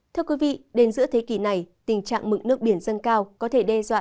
thưa quý vị đến giữa thế kỷ này tình trạng mực nước biển dâng cao có thể đe dọa